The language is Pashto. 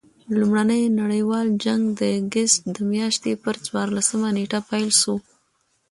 لومړي نړۍوال جنګ د اګسټ د میاشتي پر څوارلسمه نېټه پيل سو.